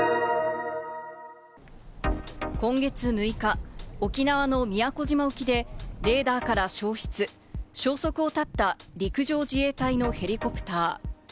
今月６日、沖縄の宮古島沖でレーダーから消失、消息を絶った陸上自衛隊のヘリコプター。